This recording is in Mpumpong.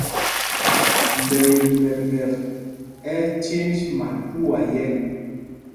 Mbɛel mɛmpek ɛ́ ɛ́ cěnj matuá yɛ̄.